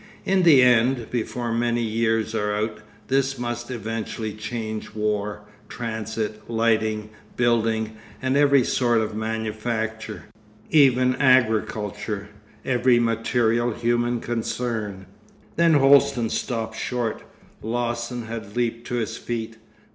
'In the end, before many years are out, this must eventually change war, transit, lighting, building, and every sort of manufacture, even agriculture, every material human concern——' Then Holsten stopped short. Lawson had leapt to his feet.